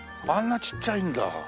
あんなちっちゃいんだ。